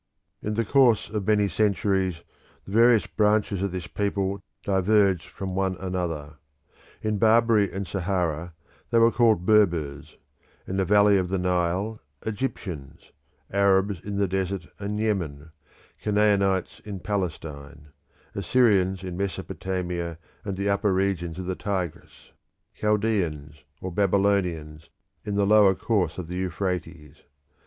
In the course of many centuries the various branches of this people diverged from one another. In Barbary and Sahara they were called Berbers; in the valley of the Nile, Egyptians; Arabs, in the desert and in Yemen; Canaanites, in Palestine; Assyrians, in Mesopotamia and the upper regions of the Tigris; Chaldeans or Babylonians, in the lower course of the Euphrates.